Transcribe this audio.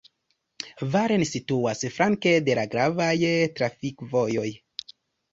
Varen situas flanke de la gravaj trafikvojoj.